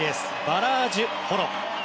バラージュ・ホロ。